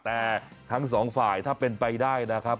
แต่ทั้งสองฝ่ายถ้าเป็นไปได้นะครับ